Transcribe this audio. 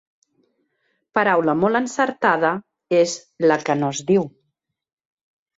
Paraula molt encertada és la que no es diu.